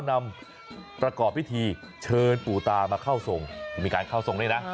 นำประกอบพิธีเชิญปู่ตามาเข้าทรงมีการเข้าทรงด้วยนะ